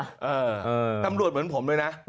อ่านำรวจเหมือนผมด้วยนะ